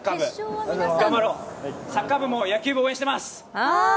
サッカー部も野球部を応援しています。